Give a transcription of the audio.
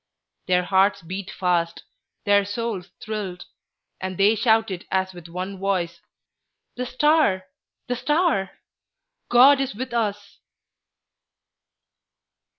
Their hearts beat fast; their souls thrilled; and they shouted as with one voice, "The Star! the Star! God is with us!"